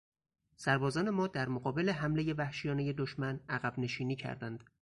سربازان ما در مقابل حملهی وحشیانهی دشمن عقبنشینی کردند.